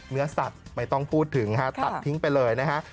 เนื้อสัตว์ไม่ต้องพูดถึงฮะตัดทิ้งไปเลยนะฮะ